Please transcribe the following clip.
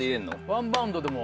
ワンバウンドでも。